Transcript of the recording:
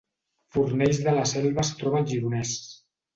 Fornells de la Selva es troba al Gironès